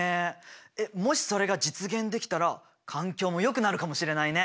えっもしそれが実現できたら環境もよくなるかもしれないね！